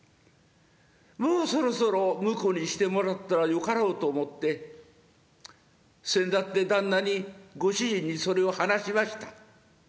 もうそろそろ婿にしてもらったらよかろうと思ってせんだって旦那にご主人にそれを話しました。